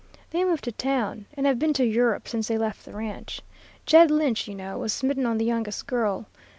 They moved to town, and have been to Europe since they left the ranch. Jed Lynch, you know, was smitten on the youngest girl.